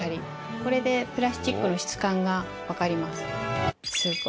これでプラスチックの質感がわかります。